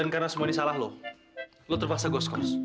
kalau semua ini salah lo lo terpaksa go scores